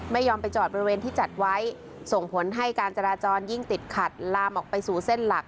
ไม่ยอมไปจอดบริเวณที่จัดไว้ส่งผลให้การจราจรยิ่งติดขัดลามออกไปสู่เส้นหลัก